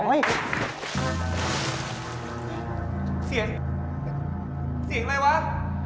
เสียงเสียงอะไรวะ